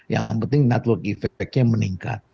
yang penting network effect nya meningkat